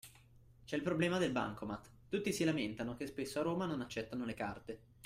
C’è il problema del bancomat: tutti si lamentano che spesso a Roma non accettano le carte.